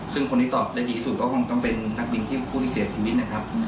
ซึ่งคนที่ตอบได้ดีที่สุดก็คงต้องเป็นนักบินที่ผู้ที่เสียชีวิตนะครับ